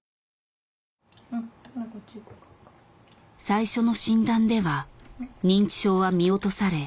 最初の診断では認知症は見落とされ